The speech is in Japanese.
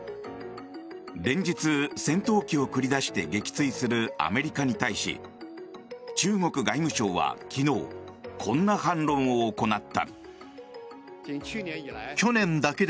連日、戦闘機を繰り出して撃墜するアメリカに対し中国外務省は昨日こんな反論を行った。